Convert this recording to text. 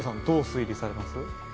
どう推理されます？